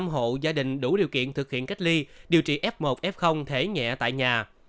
một trăm linh hộ gia đình đủ điều kiện thực hiện cách ly điều trị f một f thể nhẹ tại nhà